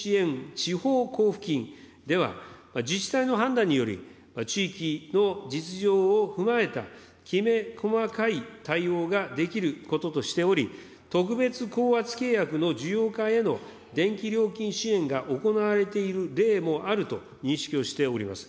地方交付金では、自治体の判断により、地域の実情を踏まえた、きめ細かい対応ができることとしており、特別高圧契約の需要家への電気料金支援が行われている例もあると認識をしております。